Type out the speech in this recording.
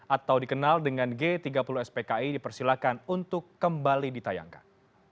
atau dikenal dengan g tiga puluh spki dipersilakan untuk kembali ditayangkan